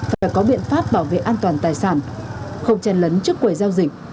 phải có biện pháp bảo vệ an toàn tài sản không chen lấn trước quầy giao dịch